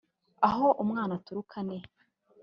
aho umwana aturuka ni he